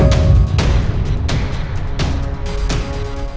gini menunggu couple bu abraham